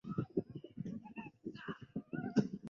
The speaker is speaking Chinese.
做到政治自觉、法治自觉和检察自觉